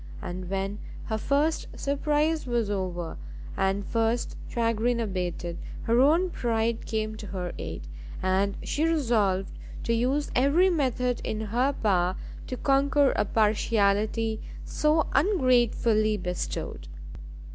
And, when her first surprise was over, and first chagrin abated, her own pride came to her aid, and she resolved to use every method in her power to conquer a partiality so un gratefully bestowed.